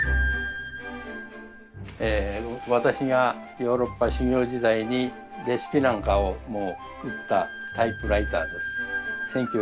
私がヨーロッパ修業時代にレシピなんかも打ったタイプライターです。